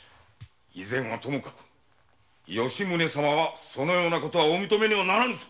以前はともかく吉宗様はそのような事お認めにならぬ。